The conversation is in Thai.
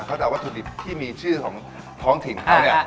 เขาจะเอาวัตถุดิบที่มีชื่อของถิ่นเขาเนี่ย